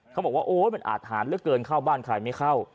เขาบอกว่าโอ๊ยมันอาทหารเหลือเกินเข้าบ้านใครไม่เข้า